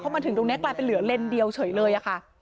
มาถึงตรงนี้กลายเป็นเหลือเลนเดียวเฉยเลยค่ะ